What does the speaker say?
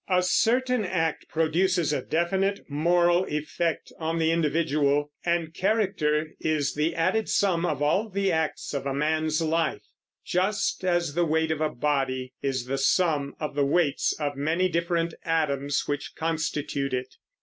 A certain act produces a definite moral effect on the individual; and character is the added sum of all, the acts of a man's; life, just as the weight of a body is the sum of the weights of many different atoms which constitute it.